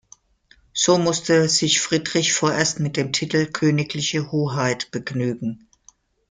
So musste sich Friedrich vorerst mit dem Titel „Königliche Hoheit“ begnügen.